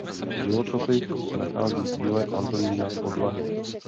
Životopis se nachází v díle Antonína Podlahy.